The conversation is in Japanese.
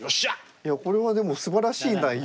いやこれはでもすばらしい内容ですよ。